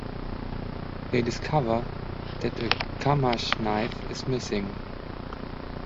They discover that a Chumash knife is missing.